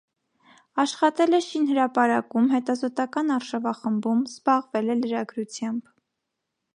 Աշխատել է շինհրապարակում, հետազոտական արշավախմբում, զբաղվել է լրագրությամբ։